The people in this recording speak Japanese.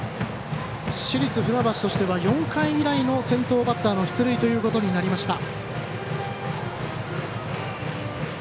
市立船橋としては４回以来の先頭バッターの出塁となりました。